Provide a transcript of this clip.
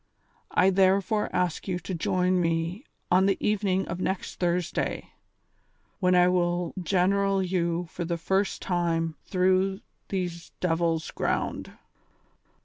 " I therefore ask you to join me on the evening of next Thursday, when I will general you for the first time through these devils' ground."